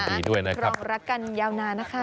รองรักกันยาวนานะคะ